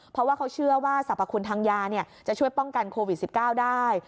เพราะว่าเขาเชื่อว่าสรรพคุณทางยาจะช่วยป้องกันโควิด๑๙ได้